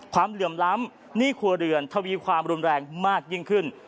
เหลื่อมล้ำหนี้ครัวเรือนทวีความรุนแรงมากยิ่งขึ้น